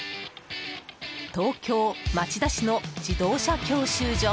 東京・町田市の自動車教習所。